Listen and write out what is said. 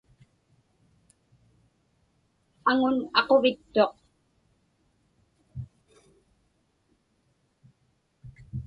Aŋun aquvittuq.